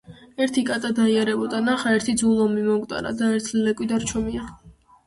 ერთი კატა დაიარებოდა. ნახა, ერთი ძუ ლომი მომკვდარა და ერთი ლეკვი დარჩომია